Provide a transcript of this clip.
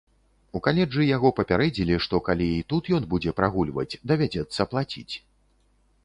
У каледжы яго папярэдзілі, што калі і тут ён будзе прагульваць, давядзецца плаціць.